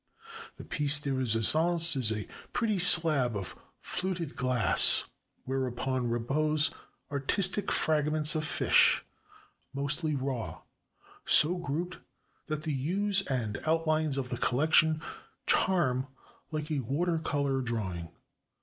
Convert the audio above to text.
The piece de resistance is a pretty slab of fluted glass, whereon repose artistic fragments of fish, mostly raw — so grouped that the hues and outlines of the collection charm like a water color drawing.